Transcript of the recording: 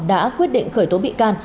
đã quyết định khởi tố bị can